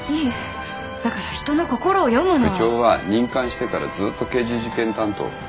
部長は任官してからずっと刑事事件担当。